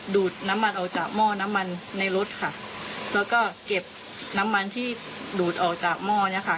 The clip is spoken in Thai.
ดูดน้ำมันออกจากหม้อน้ำมันในรถค่ะแล้วก็เก็บน้ำมันที่ดูดออกจากหม้อเนี้ยค่ะ